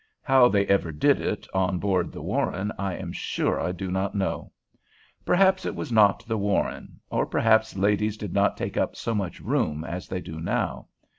How they ever did it on board the "Warren" I am sure I do not know. Perhaps it was not the "Warren," or perhaps ladies did not take up so much room as they do now.